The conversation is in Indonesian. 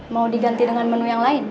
mau diganti dengan menu yang lain